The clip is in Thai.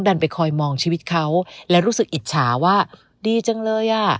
ดันไปคอยมองชีวิตเขาและรู้สึกอิจฉาว่าดีจังเลยอ่ะ